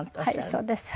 はいそうです。